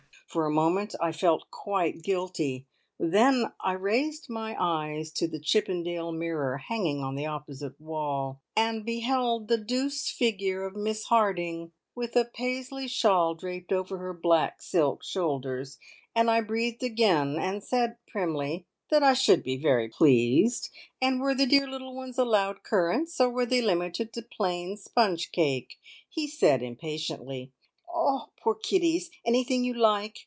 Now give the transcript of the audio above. For a moment I felt quite guilty; then I raised my eyes to the Chippendale mirror hanging on the opposite wall, and beheld the douce figure of Miss Harding with a Paisley shawl draped over her black silk shoulders, and I breathed again, and said primly that I should be very pleased, and were the dear little ones allowed currants, or were they limited to plain sponge cake? He said impatiently: "Oh, poor kiddies! Anything you like.